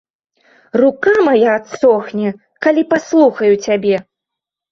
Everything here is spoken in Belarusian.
Рука мая адсохне, калі паслухаю цябе!